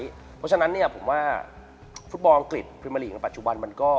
เพราะฉะนั้นเนี่ยผมว่าฟุตบอลอังกฤษปริมาลีกับปัจจุบัน